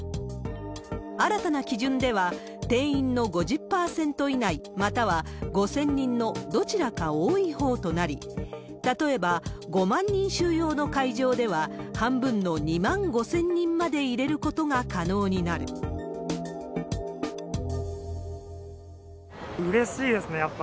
新たな基準では定員の５０％以内、または５０００人のどちらか多いほうとなり、例えば、５万人収容の会場では半分の２万５０００人までイレルコトガ可能うれしいですね、やっぱ。